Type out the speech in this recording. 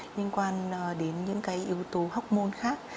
liên quan đến những cái yếu tố học môn khác